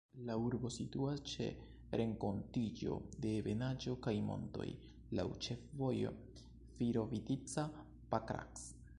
La urbo situas ĉe renkontiĝo de ebenaĵo kaj montoj, laŭ ĉefvojo Virovitica-Pakrac.